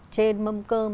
trên mâm cơm